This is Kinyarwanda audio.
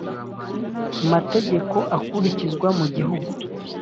mategeko akurikizwa mu gihugu